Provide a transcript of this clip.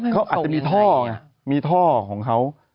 ก็อาจจะมีท่อมีท่อของเขา